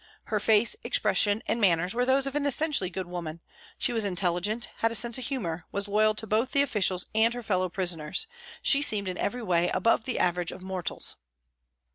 Her face, expression, and manners were those of an essentially good woman, she was intelligent, had a sense of humour, was loyal to both the officials and her fellow prisoners ; she seemed in every way above the average of mortals.